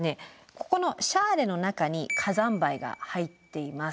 ここのシャーレの中に火山灰が入っています。